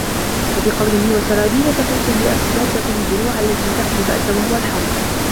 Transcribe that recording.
وَبِقَوْلِهِ وَسَرَابِيلَ تَقِيكُمْ بَأْسَكُمْ الدُّرُوعَ الَّتِي تَقِي الْبَأْسَ وَهُوَ الْحَرْبُ